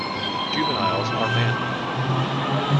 Juveniles are banded.